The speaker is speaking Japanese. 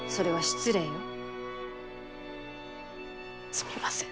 すみません。